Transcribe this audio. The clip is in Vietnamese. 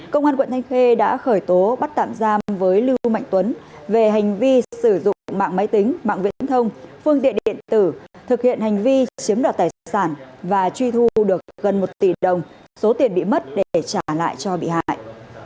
công an quận thanh khê đã khởi tố bắt tạm giam với lưu mạnh tuấn về hành vi sử dụng mạng máy tính mạng viễn thông phương tiện điện tử thực hiện hành vi chiếm đoạt tài sản và truy thu được gần một tỷ đồng số tiền bị mất để trả lại cho bị hại